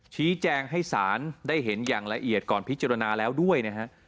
ชี้แจงให้ศาลได้เห็นอย่างละเอียดก่อนพิจารณาแล้วด้วยนะฮะ